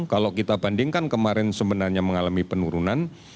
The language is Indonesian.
kalau kita bandingkan kemarin sebenarnya mengalami penurunan